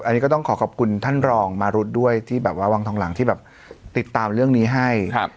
อันนี้ก็ต้องขอขอบคุณท่านรองมารุดด้วยที่แบบว่าวังทองหลังที่แบบติดตามเรื่องนี้ให้